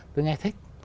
tôi nghe thích